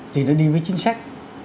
thì nó đi với chính sách